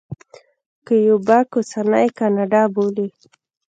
کیوبک اوسنۍ کاناډا بولي.